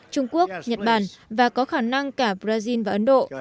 trung quốc nhật bản và có khả năng cả brazil và ấn độ